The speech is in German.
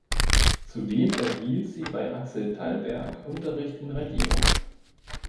Zudem erhielt sie bei Axel Tallberg Unterricht in Radierung.